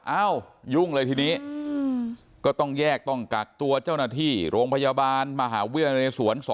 อ้าวยุ่งเลยทีนี้ก็ต้องแยกต้องกักตัวเจ้าหน้าที่โรงพยาบาลมหาวิทยาลัยสวน๒